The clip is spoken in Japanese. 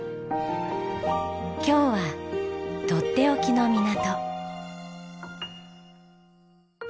今日はとっておきの港。